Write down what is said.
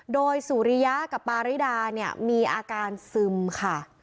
โดยสุริยะกับปาริดาเนี่ยมีอาการซึมค่ะ